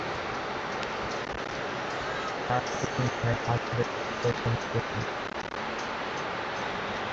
তার তিন ভাইয়ের আদরের ছোট বোন তিনি।